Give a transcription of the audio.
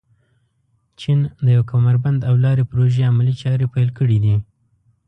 چین د یو کمربند او لارې پروژې عملي چارې پيل کړي دي.